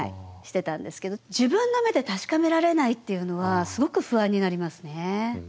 自分の目で確かめられないっていうのはすごく不安になりますね。